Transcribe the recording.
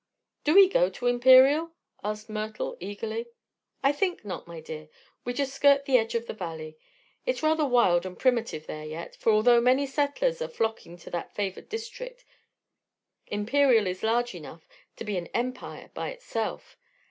"Do we go to Imperial?" asked Myrtle, eagerly. "I think not, my dear; we just skirt the edge of the Valley. It's rather wild and primitive there yet; for although many settlers are flocking to that favored district Imperial is large enough to be an empire by itself.